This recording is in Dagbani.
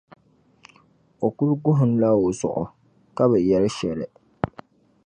O kuli guhinla o zuɣu, ka bi yɛli shɛli.